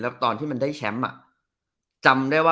แล้วตอนที่มันได้แชมป์